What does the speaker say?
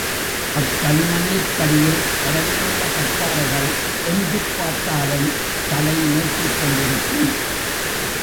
அக் களிமண்ணிற் கடியில் பரவியுள்ள கற்பாறைகள், எங்குப் பார்த்தாலும் தலை நீட்டிக்கொண்டிருக்கும்.